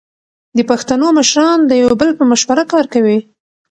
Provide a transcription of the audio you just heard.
د پښتنو مشران د یو بل په مشوره کار کوي.